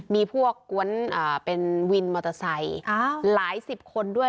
มีพวกกวนเป็นวินมอเตอร์ไซค์หลายสิบคนด้วย